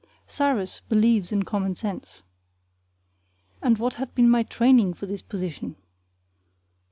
Cyrus believes in common sense. And what had been my training for this position?